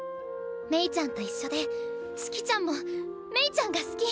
メイちゃんと一緒で四季ちゃんもメイちゃんが好き。